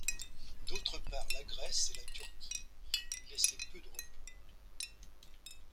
D'autre part la Grèce et la Turquie lui laissaient peu de repos.